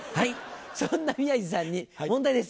そんな宮治さんに問題です。